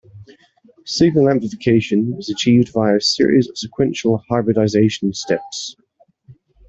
Signal amplification is achieved via a series of sequential hybridization steps.